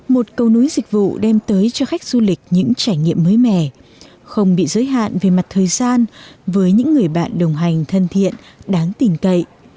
một cầu núi dịch vụ đem tới cho khách du lịch những trải nghiệm mới mẻ không bị giới hạn về mặt thời gian với những người bạn đồng hành thân thiện đáng tình cậy